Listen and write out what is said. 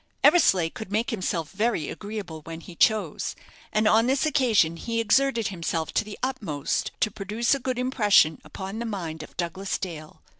Eversleigh could make himself very agreeable when he chose; and on this occasion he exerted himself to the utmost to produce a good impression upon the mind of Douglas Dale.